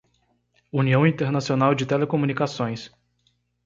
União Internacional de Telecomunicações